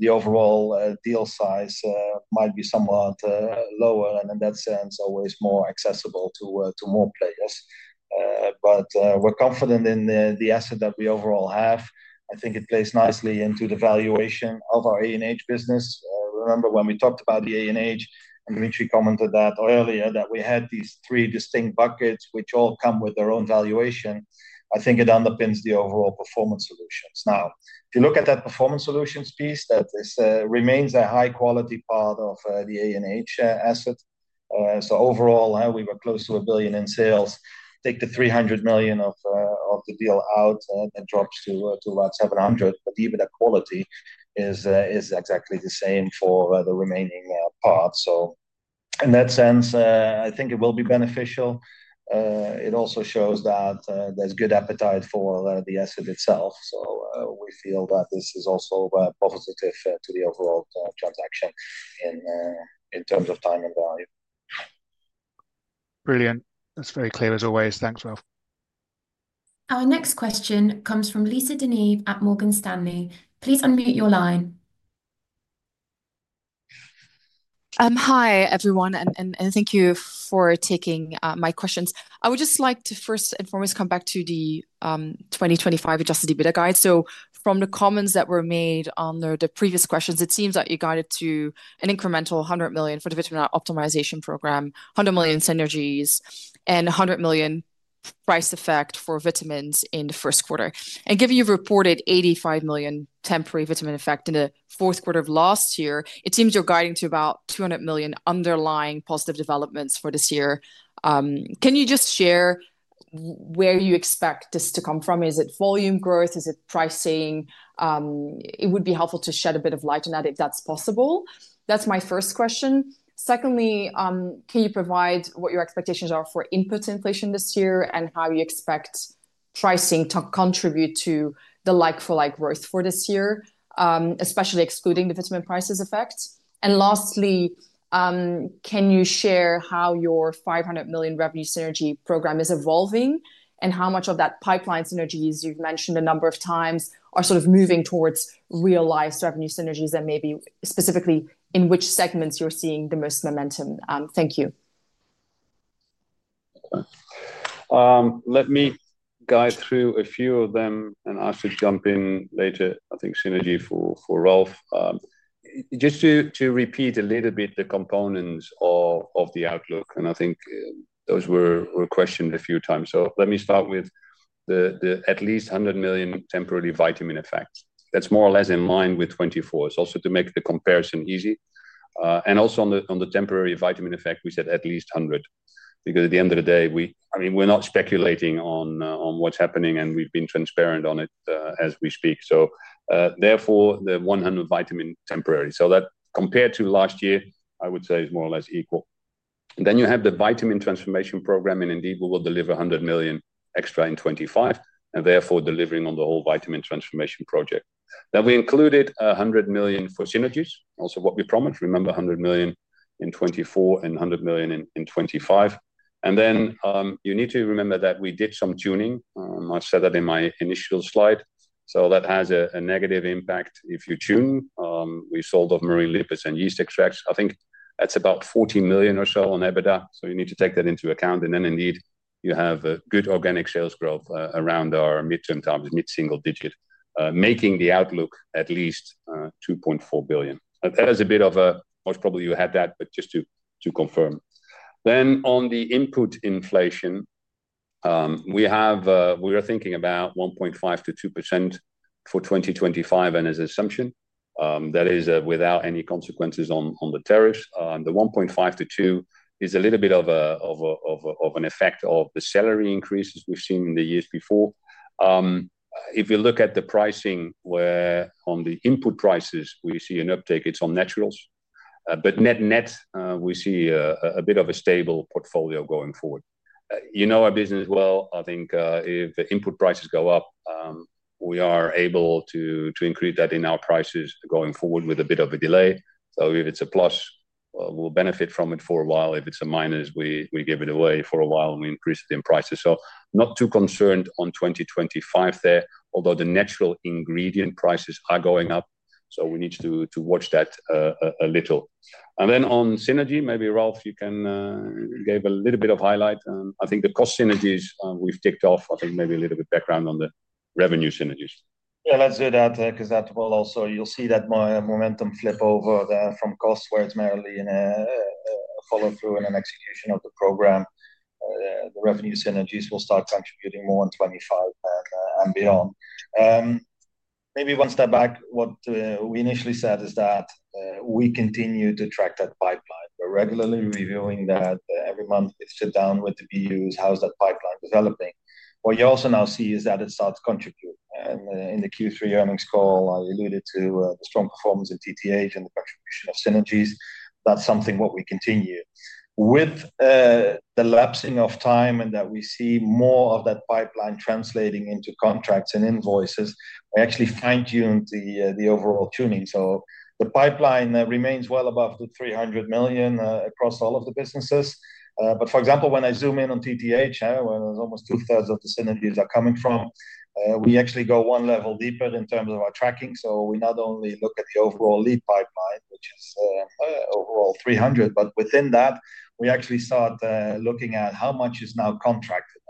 the overall deal size might be somewhat lower and in that sense, always more accessible to more players. But we're confident in the asset that we overall have. I think it plays nicely into the valuation of our ANH business. Remember when we talked about the ANH, and Ralf commented that earlier that we had these three distinct buckets, which all come with their own valuation. I think it underpins the overall Performance Solutions. Now, if you look at that Performance Solutions piece, that remains a high-quality part of the ANH asset. So overall, we were close to 1 billion in sales. Take the 300 million of the deal out, that drops to about 700 million, but even the quality is exactly the same for the remaining part. So in that sense, I think it will be beneficial. It also shows that there's good appetite for the asset itself. So we feel that this is also positive to the overall transaction in terms of time and value. Brilliant. That's very clear as always. Thanks, Ralf. Our next question comes from Lisa De Neve at Morgan Stanley. Please unmute your line. Hi, everyone, and thank you for taking my questions. I would just like to first and foremost come back to the 2025 adjusted EBITDA guide. So from the comments that were made on the previous questions, it seems that you guided to an incremental 100 million for the vitamin optimization program, 100 million synergies, and 100 million price effect for vitamins in the first quarter. And given you've reported 85 million temporary vitamin effect in the fourth quarter of last year, it seems you're guiding to about 200 million underlying positive developments for this year. Can you just share where you expect this to come from? Is it volume growth? Is it pricing? It would be helpful to shed a bit of light on that if that's possible. That's my first question. Secondly, can you provide what your expectations are for input inflation this year and how you expect pricing to contribute to the like-for-like growth for this year, especially excluding the vitamin prices effect? And lastly, can you share how your 500 million revenue synergy program is evolving and how much of that pipeline synergies you've mentioned a number of times are sort of moving towards real-life revenue synergies and maybe specifically in which segments you're seeing the most momentum? Thank you. Let me guide through a few of them and I should jump in later, I think, synergy for Ralf. Just to repeat a little bit the components of the outlook, and I think those were questioned a few times. So let me start with the at least 100 million temporary vitamin effect. That's more or less in line with 2024. It's also to make the comparison easy. And also on the temporary vitamin effect, we said at least 100 because at the end of the day, I mean, we're not speculating on what's happening, and we've been transparent on it as we speak. So therefore, the 100 vitamin temporary. So that compared to last year, I would say is more or less equal. Then you have the Vitamin Transformation Program, and indeed, we will deliver 100 million extra in 2025 and therefore delivering on the whole vitamin transformation project. Now, we included 100 million for synergies, also what we promised. Remember, 100 million in 2024 and 100 million in 2025. Then you need to remember that we did some tuning. I said that in my initial slide. That has a negative impact if you tune. We sold off Marine Lipids and yeast extracts. I think that's about 40 million or so on EBITDA. You need to take that into account. Then indeed, you have good organic sales growth around our mid-term target, mid-single digit, making the outlook at least 2.4 billion. That is a bit of a most probably you had that, but just to confirm. On the input inflation, we are thinking about 1.5%-2% for 2025 and as an assumption. That is without any consequences on the tariffs. The 1.5%–2% is a little bit of an effect of the salary increases we've seen in the years before. If you look at the pricing where on the input prices, we see an uptake. It's on naturals, but net net, we see a bit of a stable portfolio going forward. You know our business well. I think if the input prices go up, we are able to increase that in our prices going forward with a bit of a delay. So if it's a plus, we'll benefit from it for a while. If it's a minus, we give it away for a while and we increase it in prices. So not too concerned on 2025 there, although the natural ingredient prices are going up. So we need to watch that a little, and then on synergy, maybe Ralf, you can give a little bit of highlight. I think the cost synergies, we've ticked off. I think maybe a little bit background on the revenue synergies. Yeah, let's do that because that will also, you'll see that momentum flip over from cost where it's merely in a follow-through and an execution of the program. The revenue synergies will start contributing more in 2025 and beyond. Maybe one step back. What we initially said is that we continue to track that pipeline. We're regularly reviewing that every month. We sit down with the BUs. How's that pipeline developing? What you also now see is that it starts contributing, and in the Q3 earnings call, I alluded to the strong performance of TTH and the contribution of synergies. That's something what we continue. With the lapsing of time and that we see more of that pipeline translating into contracts and invoices, we actually fine-tuned the overall tuning, so the pipeline remains well above 300 million across all of the businesses. But for example, when I zoom in on TTH, where almost two-thirds of the synergies are coming from, we actually go one level deeper in terms of our tracking. So we not only look at the overall lead pipeline, which is overall 300, but within that, we actually start looking at how much is now contracted.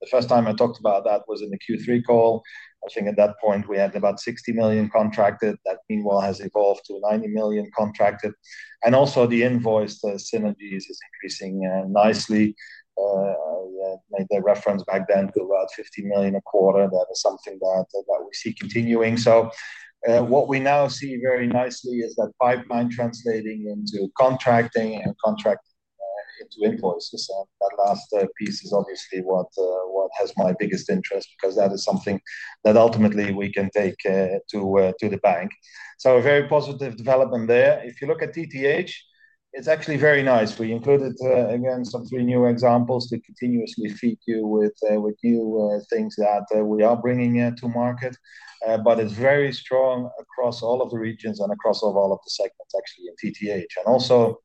The first time I talked about that was in the Q3 call. I think at that point, we had about 60 million contracted. That meanwhile has evolved to 90 million contracted. And also the invoice synergies is increasing nicely. I made the reference back then to about 50 million a quarter. That is something that we see continuing. So what we now see very nicely is that pipeline translating into contracting and contracting into invoices. That last piece is obviously what has my biggest interest because that is something that ultimately we can take to the bank, so a very positive development there. If you look at TTH, it's actually very nice. We included, again, some three new examples to continuously feed you with new things that we are bringing to market, but it's very strong across all of the regions and across all of the segments, actually, in TTH. And also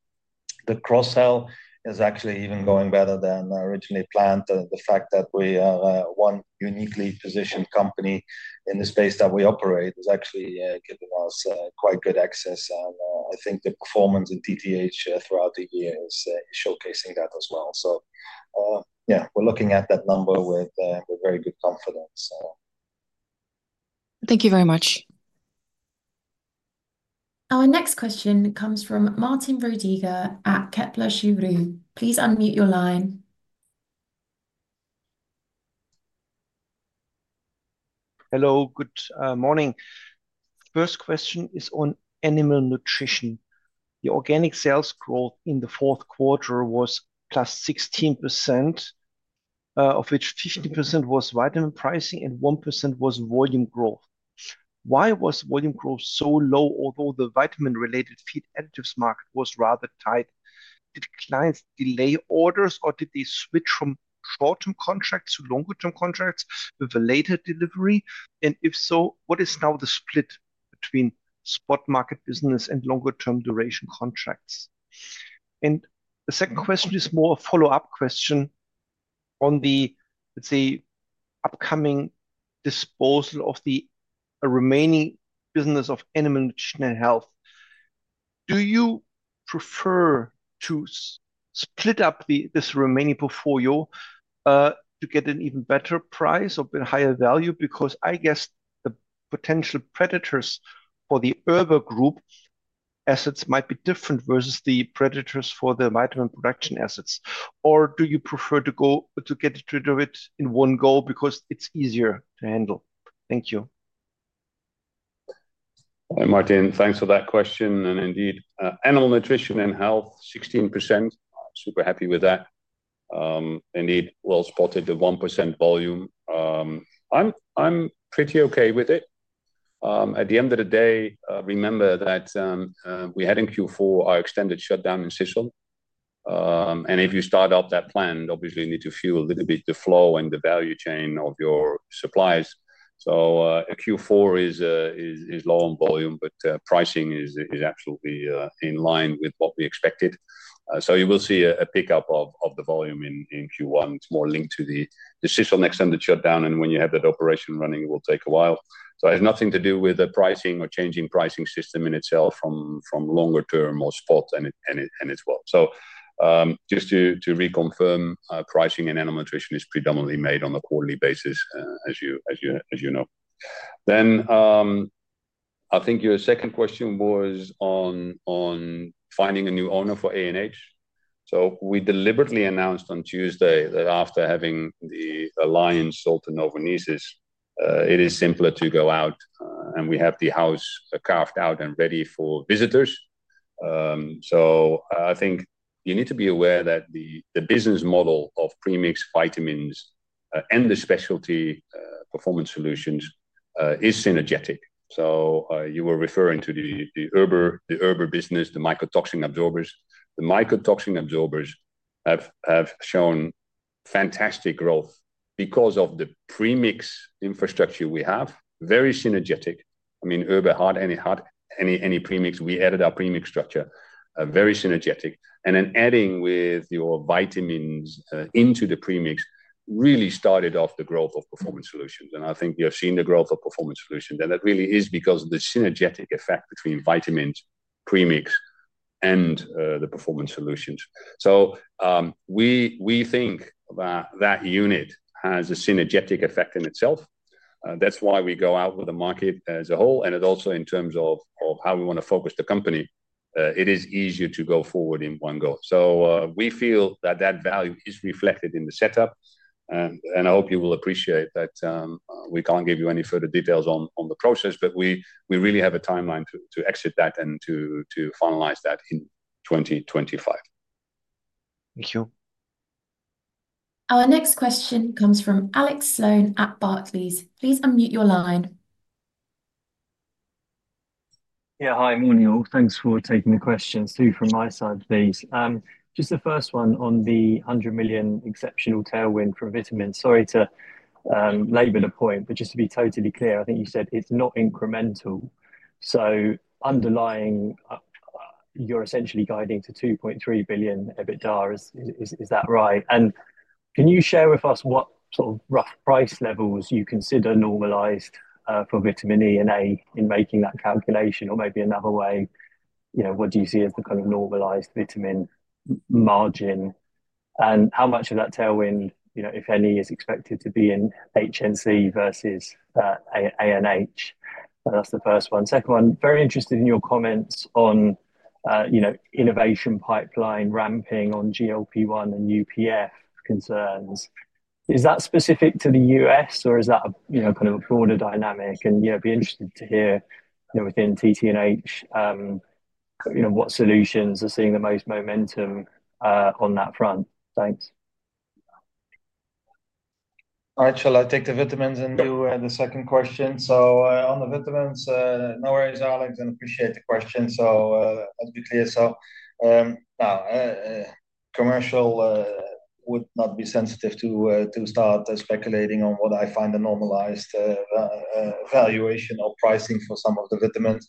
the cross-sell is actually even going better than originally planned. The fact that we are one uniquely positioned company in the space that we operate is actually giving us quite good access, and I think the performance in TTH throughout the year is showcasing that as well, so yeah, we're looking at that number with very good confidence. Thank you very much. Our next question comes from Martin Roediger at Kepler Cheuvreux. Please unmute your line. Hello. Good morning. First question is on animal nutrition. The organic sales growth in the fourth quarter was +16%, of which 50% was vitamin pricing and 1% was volume growth. Why was volume growth so low, although the vitamin-related feed additives market was rather tight? Did clients delay orders, or did they switch from short-term contracts to longer-term contracts with a later delivery? And if so, what is now the split between spot market business and longer-term duration contracts? And the second question is more a follow-up question on the, let's say, upcoming disposal of the remaining business of Animal Nutrition and Health. Do you prefer to split up this remaining portfolio to get an even better price or a bit higher value? Because I guess the potential predators for the Erber Group assets might be different versus the predators for the vitamin production assets. Or do you prefer to get rid of it in one go because it's easier to handle? Thank you. Hi, Martin. Thanks for that question. And indeed, Animal Nutrition & Health, 16%. Super happy with that. Indeed, well spotted the 1% volume. I'm pretty okay with it. At the end of the day, remember that we had in Q4 our extended shutdown in Sicily. And if you start up that plant, obviously you need to fuel a little bit the flow and the value chain of your supplies. So Q4 is low on volume, but pricing is absolutely in line with what we expected. So you will see a pickup of the volume in Q1. It's more linked to the Sicily extended shutdown. And when you have that operation running, it will take a while. So it has nothing to do with the pricing or changing pricing system in itself from longer-term or spot and as well. So just to reconfirm, pricing in animal nutrition is predominantly made on a quarterly basis, as you know. Then I think your second question was on finding a new owner for ANH. So we deliberately announced on Tuesday that after having the alliance sale to Novonesis, it is simpler to go out and we have the business carved out and ready for visitors. So I think you need to be aware that the business model of premixed vitamins and the specialty performance solutions is synergetic. So you were referring to the Erber business, the mycotoxin absorbers. The mycotoxin absorbers have shown fantastic growth because of the premixed infrastructure we have. Very synergetic. I mean, Erber had any premix. We added our premixed structure. Very synergetic. And then adding your vitamins into the premix really started off the growth of Performance Solutions. I think you have seen the growth of Performance Solutions. That really is because of the synergistic effect between vitamins, premix, and the Performance Solutions. We think that unit has a synergistic effect in itself. That's why we go out with the market as a whole. It also in terms of how we want to focus the company, it is easier to go forward in one go. We feel that that value is reflected in the setup. I hope you will appreciate that we can't give you any further details on the process, but we really have a timeline to exit that and to finalize that in 2025. Thank you. Our next question comes from Alex Sloane at Barclays. Please unmute your line. Yeah. Hi, Emmanuel. Thanks for taking the questions. Two from my side, please. Just the first one on the 100 million exceptional tailwind for vitamins. Sorry to labor a point, but just to be totally clear, I think you said it's not incremental. So underlying, you're essentially guiding to 2.3 billion EBITDA. Is that right? And can you share with us what sort of rough price levels you consider normalized for vitamin E and A in making that calculation? Or maybe another way, what do you see as the kind of normalized vitamin margin? And how much of that tailwind, if any, is expected to be in HNC versus ANH? That's the first one. Second one, very interested in your comments on innovation pipeline ramping on GLP-1 and UPF concerns. Is that specific to the US, or is that kind of a broader dynamic? And yeah, be interested to hear within TTH what solutions are seeing the most momentum on that front. Thanks. All right. Shall I take the vitamins and do the second question? So on the vitamins, no worries, Alex. I appreciate the question. So let's be clear. So now, commercial would not be sensible to start speculating on what I find a normalized valuation or pricing for some of the vitamins.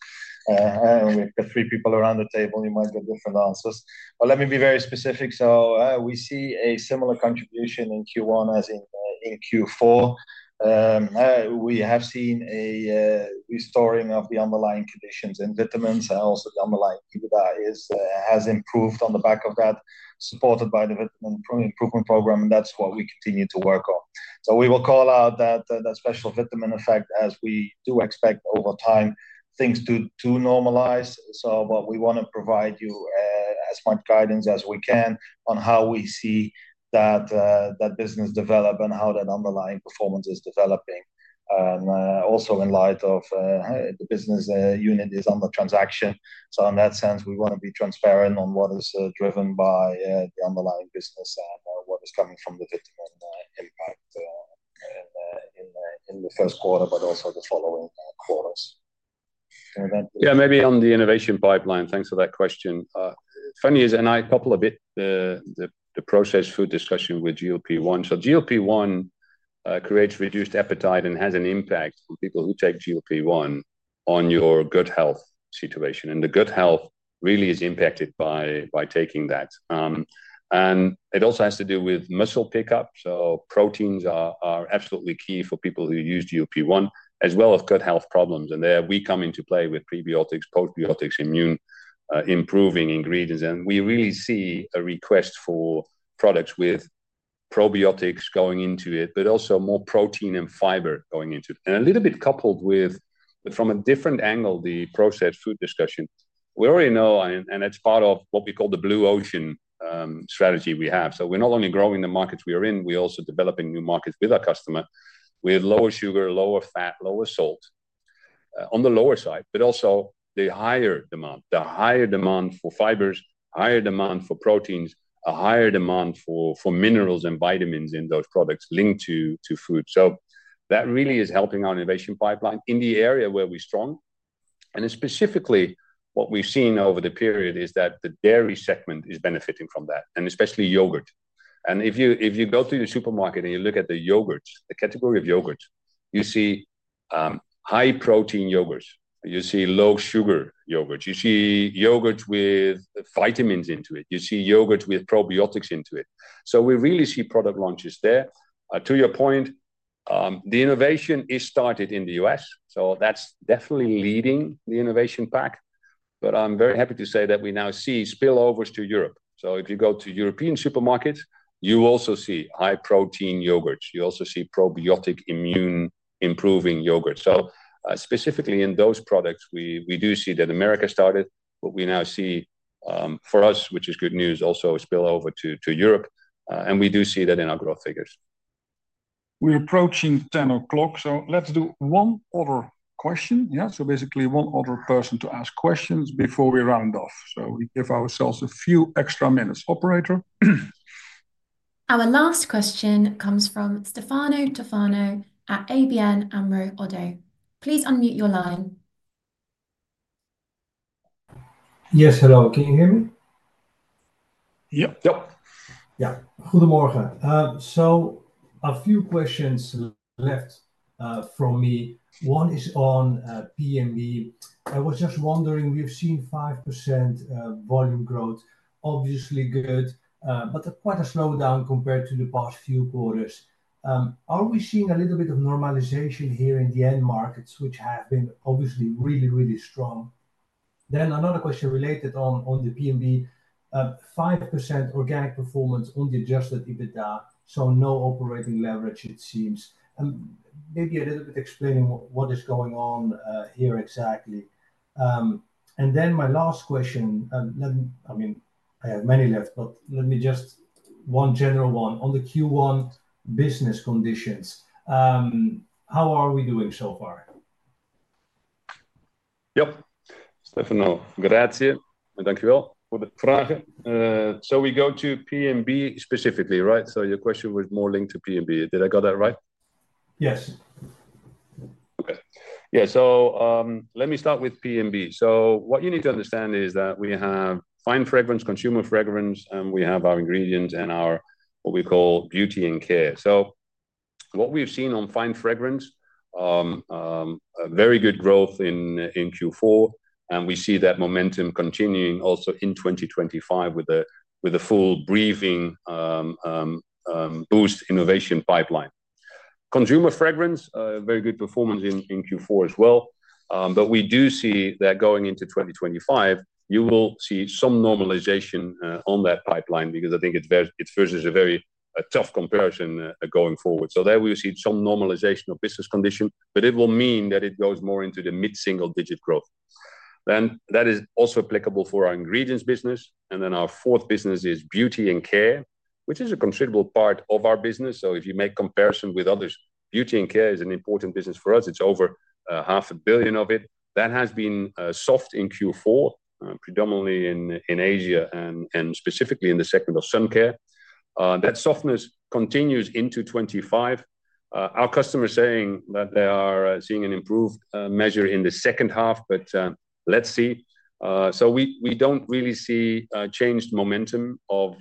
And we've got three people around the table. You might get different answers. But let me be very specific. So we see a similar contribution in Q1 as in Q4. We have seen a restoration of the underlying conditions in vitamins. Also, the underlying EBITDA has improved on the back of that, supported by the Vitamin Transformation Program. And that's what we continue to work on. So we will call out that special vitamin effect as we do expect over time things to normalize. So what we want to provide you as much guidance as we can on how we see that business develop and how that underlying performance is developing. And also in light of the business unit's ongoing transaction. So in that sense, we want to be transparent on what is driven by the underlying business and what is coming from the vitamin impact in the first quarter, but also the following quarters. Yeah, maybe on the innovation pipeline, thanks for that question. Firmenich is, and I couple a bit the processed food discussion with GLP-1. So GLP-1 creates reduced appetite and has an impact on people who take GLP-1 on their gut health situation. And the gut health really is impacted by taking that. It also has to do with muscle pickup. So proteins are absolutely key for people who use GLP-1 as well as gut health problems. And there we come into play with prebiotics, postbiotics, immune-improving ingredients. And we really see a request for products with probiotics going into it, but also more protein and fiber going into it. And a little bit coupled with, but from a different angle, the processed food discussion. We already know, and it's part of what we call the blue ocean strategy we have. So we're not only growing the markets we are in, we're also developing new markets with our customer with lower sugar, lower fat, lower salt on the lower side, but also the higher demand. The higher demand for fibers, higher demand for proteins, a higher demand for minerals and vitamins in those products linked to food. So that really is helping our innovation pipeline in the area where we're strong. And specifically, what we've seen over the period is that the dairy segment is benefiting from that, and especially yogurt. And if you go to the supermarket and you look at the yogurts, the category of yogurts, you see high-protein yogurts. You see low-sugar yogurts. You see yogurts with vitamins into it. You see yogurts with probiotics into it. So we really see product launches there. To your point, the innovation is started in the U.S. So that's definitely leading the innovation pack. But I'm very happy to say that we now see spillovers to Europe. So if you go to European supermarkets, you also see high-protein yogurts. You also see probiotic immune-improving yogurts. So specifically in those products, we do see that America started, but we now see for us, which is good news, also a spillover to Europe. And we do see that in our growth figures. We're approaching 10:00 A.M. So let's do one other question. Yeah. So basically one other person to ask questions before we round off. So we give ourselves a few extra minutes, operator. Our last question comes from Stefano Tofano at ABN AMRO-ODDO BHF. Please unmute your line. Yes. Hello. Can you hear me? Yep. Yep. Yeah. Good morning. So a few questions left from me. One is on P&B. I was just wondering, we've seen 5% volume growth, obviously good, but quite a slowdown compared to the past few quarters. Are we seeing a little bit of normalization here in the end markets, which have been obviously really, really strong? Then another question related on the P&B, 5% organic performance on the adjusted EBITDA, so no operating leverage, it seems, and maybe a little bit explaining what is going on here exactly, and then my last question, I mean, I have many left, but let me just one general one on the Q1 business conditions. How are we doing so far? Yep, Stefano, grazie, and thank you for the question, so we go to P&B specifically, right? So your question was more linked to P&B. Did I got that right? Yes. Okay. Yeah, so let me start with P&B. So what you need to understand is that we have Fine Fragrance, Consumer Fragrance, and we have our ingredients and our what we call beauty and care. So what we've seen on Fine Fragrance, very good growth in Q4. We see that momentum continuing also in 2025 with the full breathing boost innovation pipeline. Consumer fragrance, very good performance in Q4 as well. But we do see that going into 2025, you will see some normalization on that pipeline because I think it's versus a very tough comparison going forward. So there we will see some normalization of business condition, but it will mean that it goes more into the mid-single-digit growth. Then that is also applicable for our ingredients business. And then our fourth business is beauty and care, which is a considerable part of our business. So if you make comparison with others, beauty and care is an important business for us. It's over 500 million. That has been soft in Q4, predominantly in Asia and specifically in the segment of sun care. That softness continues into 2025. Our customers are saying that they are seeing an improved measure in the second half, but let's see. So we don't really see a changed momentum of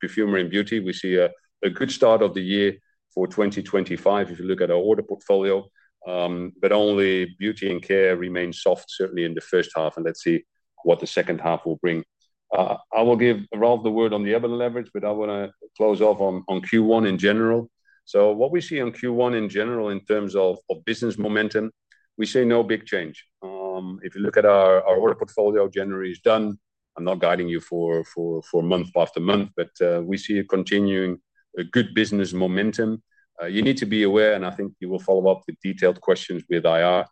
perfumery and beauty. We see a good start of the year for 2025 if you look at our order portfolio, but only beauty and care remain soft, certainly in the first half. And let's see what the second half will bring. I will give Ralf the word on the other leverage, but I want to close off on Q1 in general. So what we see on Q1 in general in terms of business momentum, we see no big change. If you look at our order portfolio, January is done. I'm not guiding you for month after month, but we see a continuing good business momentum. You need to be aware, and I think you will follow up with detailed questions with IR.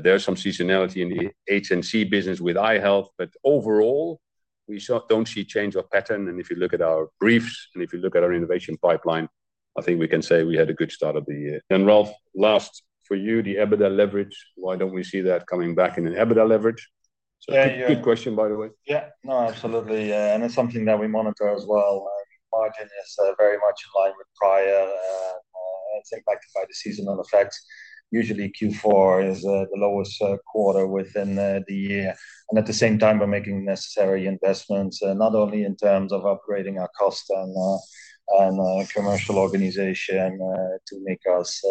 There's some seasonality in the HNC business with i-Health, but overall, we don't see change of pattern. If you look at our briefs and if you look at our innovation pipeline, I think we can say we had a good start of the year. Ralf, last for you, the EBITDA leverage, why don't we see that coming back in an EBITDA leverage? So good question, by the way. Yeah. No, absolutely. It's something that we monitor as well. Margin is very much in line with prior. It's impacted by the seasonal effects. Usually, Q4 is the lowest quarter within the year. And at the same time, we're making necessary investments, not only in terms of upgrading our cost and commercial organization to make us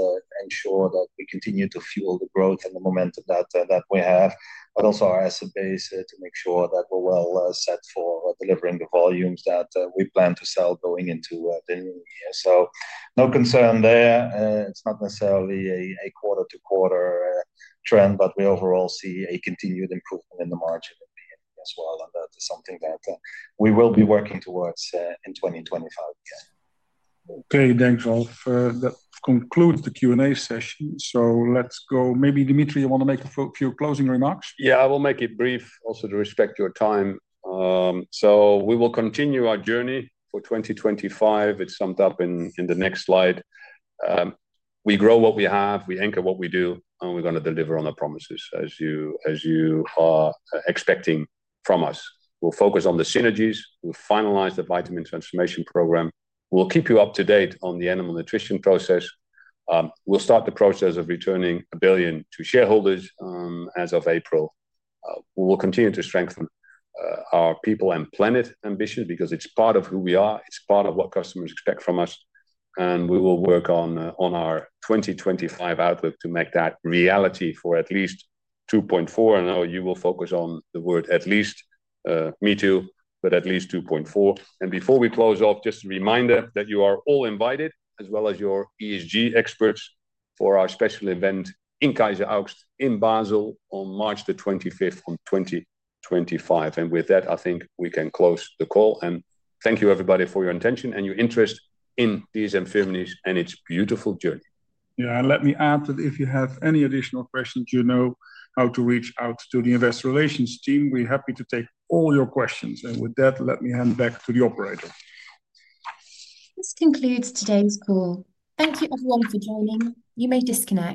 ensure that we continue to fuel the growth and the momentum that we have, but also our asset base to make sure that we're well set for delivering the volumes that we plan to sell going into the new year. So no concern there. It's not necessarily a quarter-to-quarter trend, but we overall see a continued improvement in the margin as well. And that is something that we will be working towards in 2025. Okay. Thanks, Ralf. That concludes the Q&A session. So let's go. Maybe Dimitri, you want to make a few closing remarks? Yeah, I will make it brief also to respect your time. So we will continue our journey for 2025. It's summed up in the next slide. We grow what we have. We anchor what we do, and we're going to deliver on our promises as you are expecting from us. We'll focus on the synergies. We'll finalize the Vitamin Transformation Program. We'll keep you up to date on the animal nutrition process. We'll start the process of returning 1 billion to shareholders as of April. We will continue to strengthen our people and planet ambition because it's part of who we are. It's part of what customers expect from us. We will work on our 2025 outlook to make that reality for at least 2.4 billion. You will focus on the word at least. Me too, but at least 2.4 billion. Before we close off, just a reminder that you are all invited as well as your ESG experts for our special event in Kaiseraugst in Basel on March the 25th of 2025. With that, I think we can close the call. Thank you, everybody, for your attention and your interest in this firm and its beautiful journey. Yeah. Let me add that if you have any additional questions, you know how to reach out to the investor relations team. We're happy to take all your questions. With that, let me hand back to the operator. This concludes today's call. Thank you, everyone, for joining. You may disconnect.